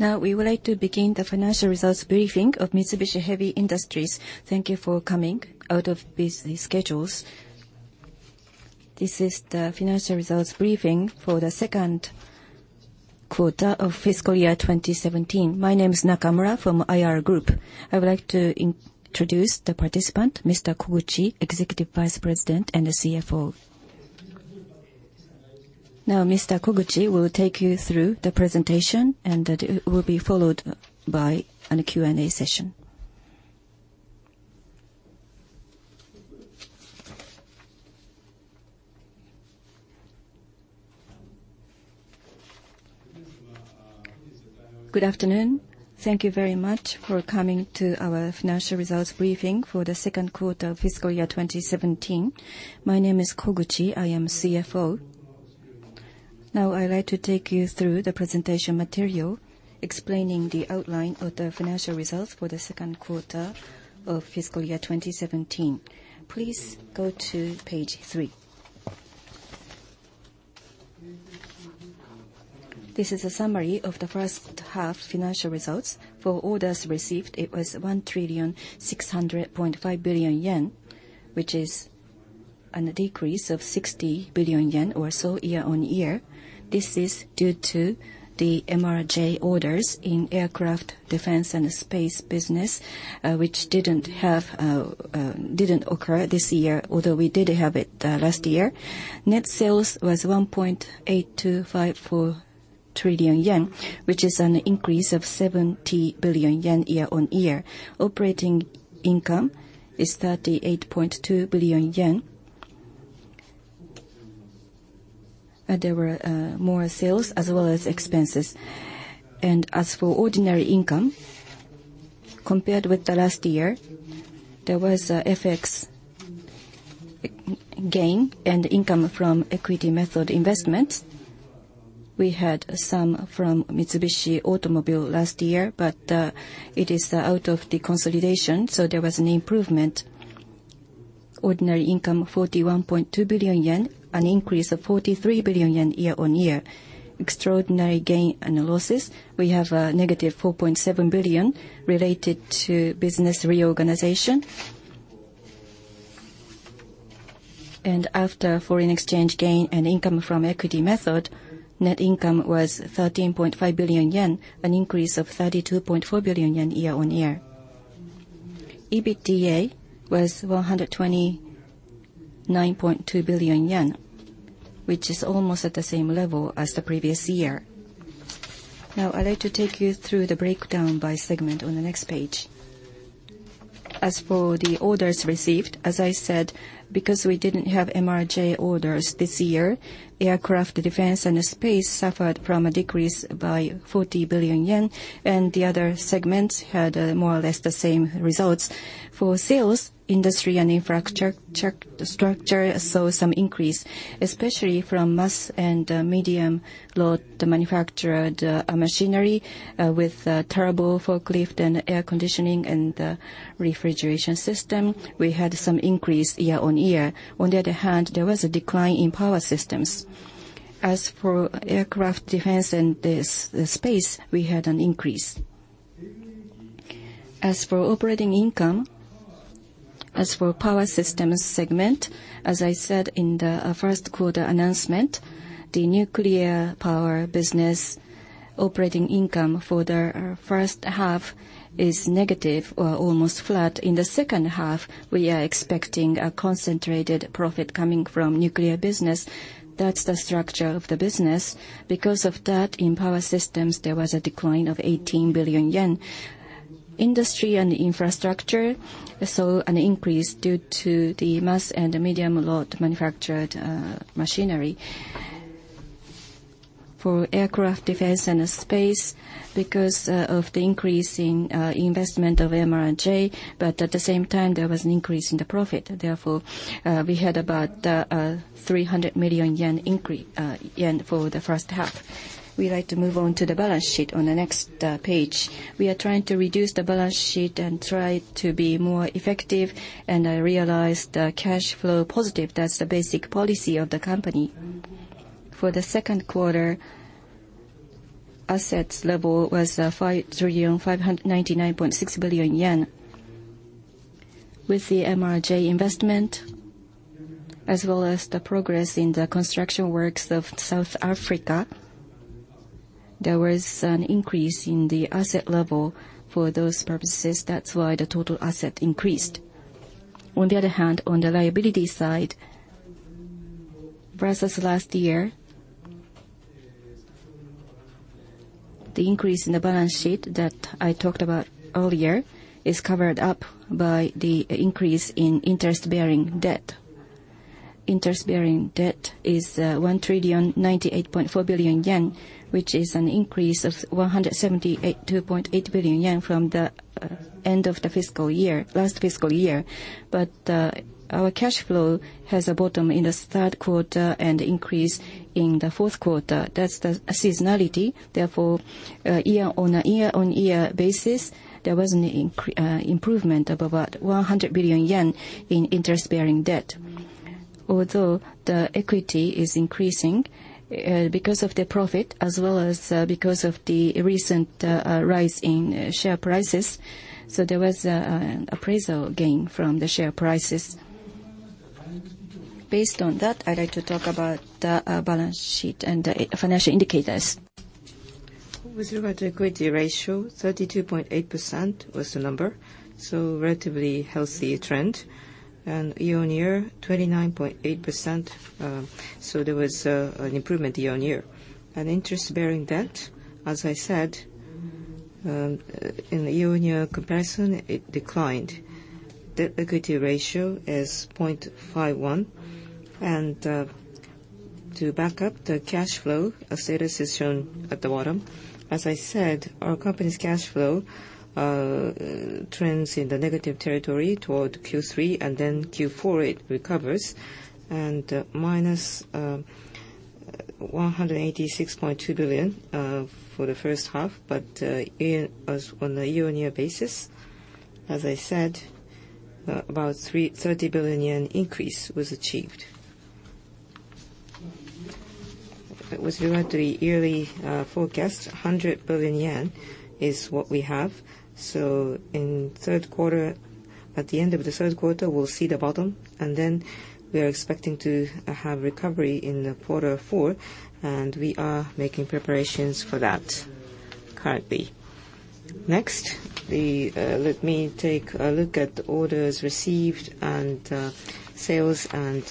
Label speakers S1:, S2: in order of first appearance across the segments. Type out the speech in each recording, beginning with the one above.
S1: We would like to begin the financial results briefing of Mitsubishi Heavy Industries. Thank you for coming out of busy schedules. This is the financial results briefing for the second quarter of fiscal year 2017. My name is Nakamura from IR Group. I would like to introduce the participant, Mr. Koguchi, Executive Vice President and CFO. Mr. Koguchi will take you through the presentation, and that will be followed by a Q&A session.
S2: Good afternoon. Thank you very much for coming to our financial results briefing for the second quarter of fiscal year 2017. My name is Koguchi, I am CFO. I would like to take you through the presentation material explaining the outline of the financial results for the second quarter of fiscal year 2017. Please go to page three. This is a summary of the first half financial results. For orders received, it was 1,600.5 billion yen, which is a decrease of 60 billion yen or so year-over-year. This is due to the MRJ orders in Aircraft, Defense & Space business, which didn't occur this year, although we did have it last year. Net sales was 1.8254 trillion yen, which is an increase of 70 billion yen year-over-year. Operating income is 38.2 billion yen. There were more sales as well as expenses. As for ordinary income, compared with the last year, there was an FX gain and income from equity method investment. We had some from Mitsubishi Motors last year, but it is out of the consolidation, so there was an improvement. Ordinary income, 41.2 billion yen, an increase of 43 billion yen year-over-year. Extraordinary gain and losses, we have a -4.7 billion related to business reorganization. After foreign exchange gain and income from equity method, net income was 13.5 billion yen, an increase of 32.4 billion yen year-over-year. EBITDA was 129.2 billion yen, which is almost at the same level as the previous year. I'd like to take you through the breakdown by segment on the next page. As for the orders received, as I said, because we didn't have MRJ orders this year, Aircraft, Defense & Space suffered from a decrease by 40 billion yen, the other segments had more or less the same results. For sales, Industry & Infrastructure saw some increase, especially from mass and medium-lot manufactured machinery with turbo forklift and air conditioning and refrigeration system. We had some increase year-over-year. On the other hand, there was a decline in Power Systems. As for Aircraft, Defense & Space, we had an increase. As for operating income, as for Power Systems segment, as I said in the first quarter announcement, the nuclear power business operating income for the first half is negative or almost flat. In the second half, we are expecting a concentrated profit coming from nuclear business. That's the structure of the business. In Power Systems, there was a decline of 18 billion yen. Industry & Infrastructure saw an increase due to the mass and medium-lot manufactured machinery. For Aircraft, Defense & Space, because of the increase in investment of MRJ, but at the same time, there was an increase in the profit. We had about 300 million yen for the first half. We would like to move on to the balance sheet on the next page. We are trying to reduce the balance sheet and trying to be more effective, and realize the cash flow positive. That's the basic policy of the company. For the second quarter, assets level was 5,599.6 billion yen. With the MRJ investment, as well as the progress in the construction works of South Africa, there was an increase in the asset level for those purposes. The total asset increased. On the liability side, versus last year, the increase in the balance sheet that I talked about earlier is covered up by the increase in interest-bearing debt. Interest-bearing debt is 1,098.4 billion yen, which is an increase of 172.8 billion yen from the end of the last fiscal year. Our cash flow has a bottom in the third quarter and increase in the fourth quarter. That's the seasonality. On a year-on-year basis, there was an improvement of about 100 billion yen in interest-bearing debt. The equity is increasing because of the profit as well as because of the recent rise in share prices. There was an appraisal gain from the share prices. Based on that, I'd like to talk about the balance sheet and the financial indicators. With regard to equity ratio, 32.8% was the number, relatively healthy trend. Year-on-year, 29.8%, there was an improvement year-on-year. Interest-bearing debt, as I said, in the year-on-year comparison, it declined. Debt-to-equity ratio is 0.51. To back up the cash flow, a status is shown at the bottom. As I said, our company's cash flow trends in the negative territory toward Q3, then Q4 it recovers. -186.2 billion for the first half, but on a year-on-year basis, as I said, about 30 billion yen increase was achieved. With regard to the yearly forecast, 100 billion yen is what we have. At the end of the third quarter, we'll see the bottom, then we are expecting to have recovery in Q4, and we are making preparations for that currently. Let me take a look at the orders received, sales, and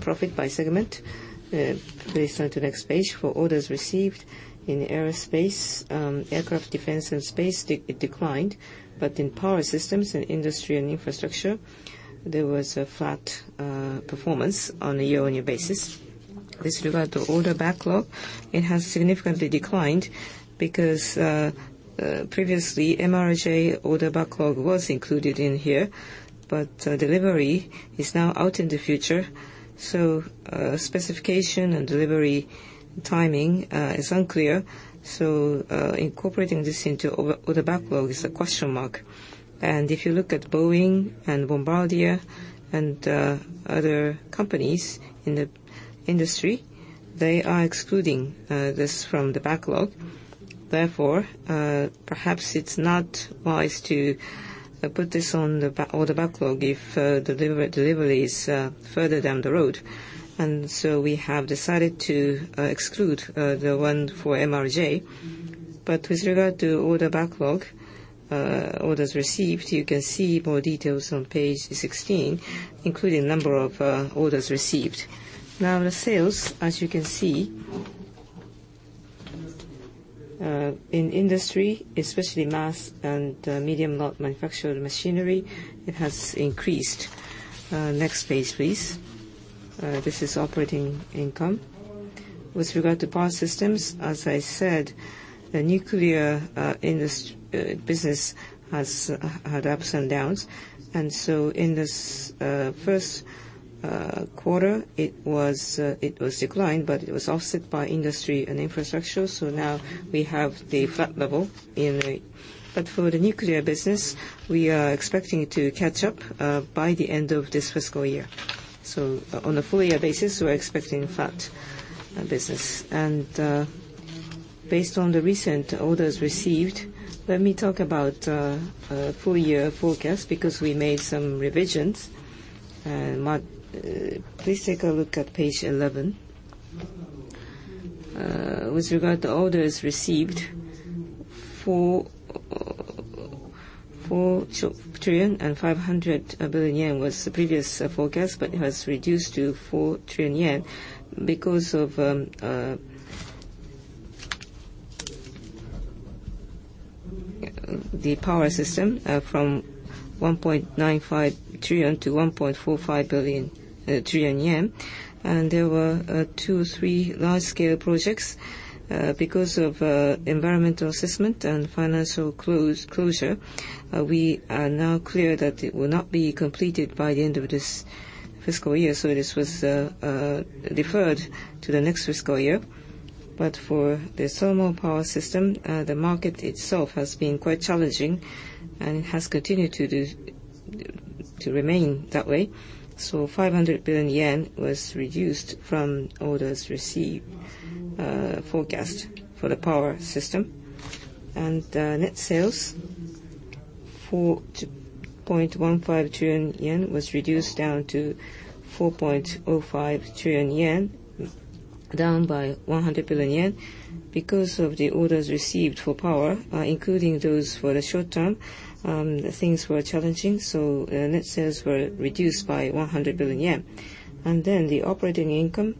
S2: profit by segment. Please turn to the next page. For orders received, in Aerospace, Aircraft, Defense & Space, it declined. In Power Systems and Industry & Infrastructure, there was a flat performance on a year-on-year basis. With regard to order backlog, it has significantly declined because previously MRJ order backlog was included in here, but delivery is now out in the future, specification and delivery timing is unclear. Incorporating this into order backlog is a question mark. If you look at Boeing and Bombardier and other companies in the industry, they are excluding this from the backlog. Therefore, perhaps it's not wise to put this on the order backlog if delivery is further down the road. We have decided to exclude the one for MRJ. With regard to order backlog, orders received, you can see more details on page 16, including number of orders received. The sales, as you can see, in industry, especially mass and medium-lot manufactured machinery, it has increased. Next page, please. This is operating income. With regard to Power Systems, as I said, the nuclear business has had ups and downs. In this first quarter, it was declined, but it was offset by Industry & Infrastructure, so now we have the flat level in it. For the nuclear business, we're expecting it to catch up by the end of this fiscal year. On a full year basis, we're expecting flat business. Based on the recent orders received, let me talk about full year forecast because we made some revisions. Please take a look at page 11. With regard to orders received, 4 trillion 500 billion was the previous forecast, but it has reduced to 4 trillion yen because of the Power Systems from 1.95 trillion to 1.45 trillion yen. There were two, three large-scale projects. Because of environmental assessment and financial closure, we are now clear that it will not be completed by the end of this fiscal year, so this was deferred to the next fiscal year. For the thermal power system, the market itself has been quite challenging and has continued to remain that way. 500 billion yen was reduced from orders received forecast for the Power Systems. Net sales, 4.15 trillion yen was reduced down to 4.05 trillion yen, down by 100 billion yen because of the orders received for Power Systems, including those for the short term. Things were challenging, so net sales were reduced by 100 billion yen. The operating income.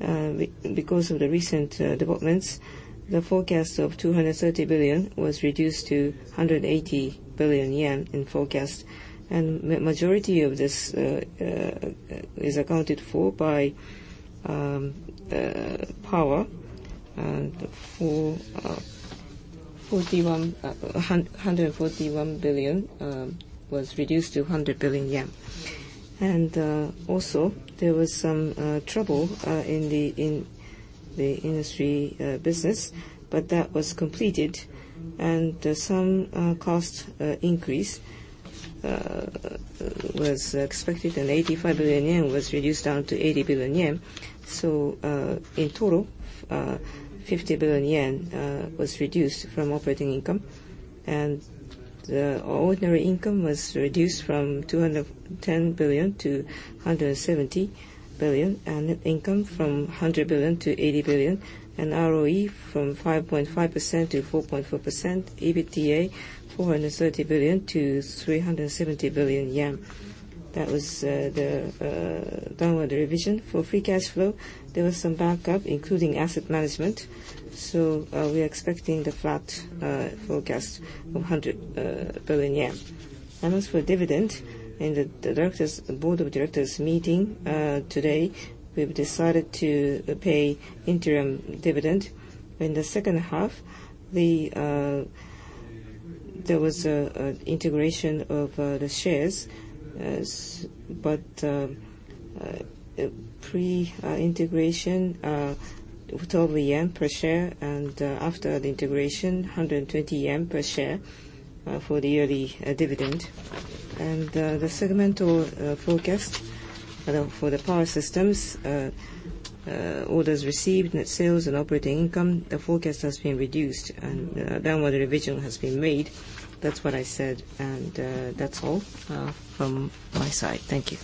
S2: Because of the recent developments, the forecast of 230 billion was reduced to 180 billion yen in forecast. Majority of this is accounted for by Power Systems, and 141 billion was reduced to 100 billion yen. Also, there was some trouble in the industry business. That was completed, and some cost increase was expected, and 185 billion yen was reduced down to 180 billion yen. In total, 50 billion yen was reduced from operating income. The ordinary income was reduced from 210 billion to 170 billion, net income from 100 billion to 80 billion, ROE from 5.5% to 4.4%, EBITDA, 430 billion to 370 billion yen. That was the downward revision. For free cash flow, there was some backup, including asset management, so we are expecting the flat forecast of 100 billion yen. As for dividend, in the board of directors meeting today, we've decided to pay interim dividend. In the second half, there was an integration of the shares, but pre-integration, 112 yen per share, and after the integration, 120 yen per share for the yearly dividend. The segmental forecast for the Power Systems, orders received, net sales, and operating income, the forecast has been reduced and downward revision has been made. That's what I said, and that's all from my side. Thank you.